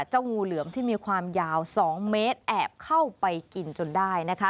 งูเหลือมที่มีความยาว๒เมตรแอบเข้าไปกินจนได้นะคะ